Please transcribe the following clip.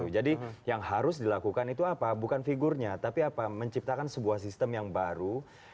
jadi yang harus dilakukan itu apa bukan figurnya tapi apa menciptakan sebuah sistem yang baru